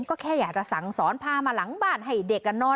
ก็แค่อยากจะสั่งสอนพามาหลังบ้านให้เด็กนอน